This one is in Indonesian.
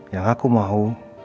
yang aku mau